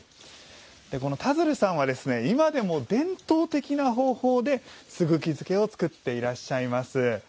この田鶴さんは今でも、伝統的な方法ですぐき漬けを作っていらっしゃいます。